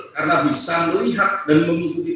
karena bisa melihat dan mengikuti